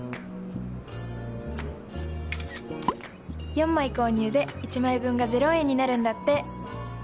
４枚購入で１枚分が０円になるんだって。